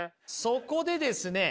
そこでですね